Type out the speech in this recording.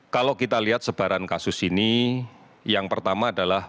kalau kita lihat sebaran kasus ini yang pertama adalah